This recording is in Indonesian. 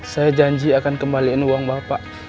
saya janji akan kembaliin uang bapak